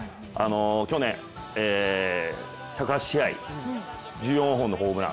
去年、１０８試合、１４本のホームラン。